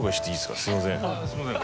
すいません。